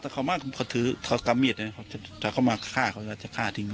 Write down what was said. แต่เขามาเขาถือเขากำมิดน่ะเขาจะเข้ามาฆ่าเขาแล้วจะฆ่าทิ้ง